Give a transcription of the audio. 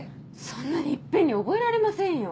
そんなに一遍に覚えられませんよ。